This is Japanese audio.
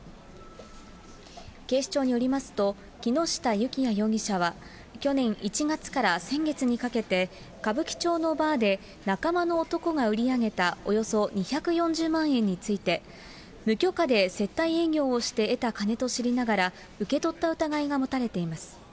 警視庁によりますと、木下幸也容疑者は、去年１月から先月にかけて、歌舞伎町のバーで、仲間の男が売り上げたおよそ２４０万円について、無許可で接待営業をして得た金と知りながら、受け取った疑いが持たれています。